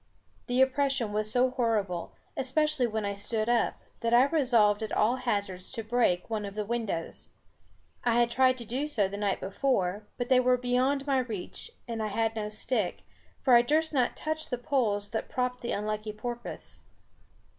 The oppression was so horrible, especially when I stood up, that I resolved at all hazards to break one of the windows. I had tried to do so the night before, but they were beyond my reach, and I had no stick, for I durst not touch the poles that propped the unlucky porpoise.